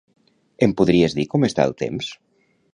Em podries dir com està el temps?